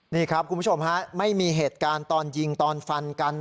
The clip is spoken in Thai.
นี่ครับคุณผู้ชมฮะไม่มีเหตุการณ์ตอนยิงตอนฟันกัน